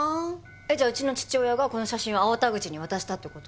えっじゃあうちの父親がこの写真を粟田口に渡したって事？